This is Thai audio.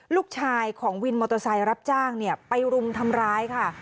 ลูกชายของวินมอเตอร์ไซค์รับจ้างไปรุมทำร้ายค่ะ